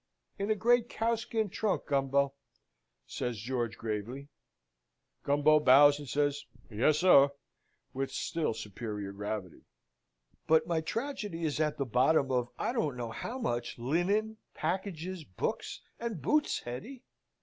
"In the great cowskin trunk, Gumbo," George says, gravely. Gumbo bows and says, "Yes, sir," with still superior gravity. "But my tragedy is at the bottom of I don't know how much linen, packages, books, and boots, Hetty."